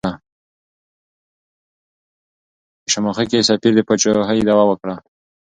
په شماخي کې سفیر د پاچاهۍ دعوه وکړه.